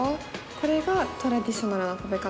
これがトラディショナルな食べ方？